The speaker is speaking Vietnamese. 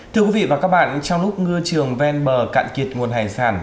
thưa quý vị và các bạn trong lúc ngư trường ven bờ cạn kiệt nguồn hải sản